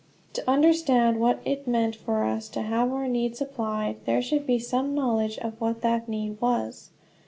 To understand what it meant for us to have our need supplied, there should be some knowledge of what that need was.